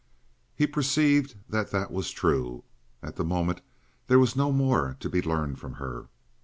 He perceived that that was true. At the moment there was no more to be learned from her.